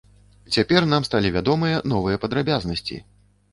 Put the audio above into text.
Цяпер нам сталі вядомыя новыя падрабязнасці.